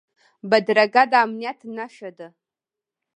بدرګه د امنیت نښه ده